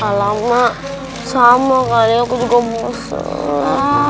alamak sama kali aku juga bosen